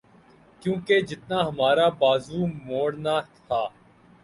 کیونکہ جتنا ہمارا بازو مروڑنا تھا۔